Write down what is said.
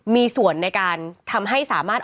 มีส่วนในการทำให้สามารถ